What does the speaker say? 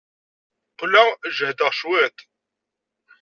Qqleɣ jehdeɣ cwiṭ.